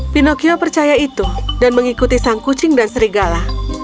pinocchio percaya itu dan mengikuti sang kucing dan serigala